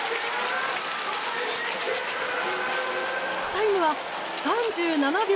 タイムは３７秒４９！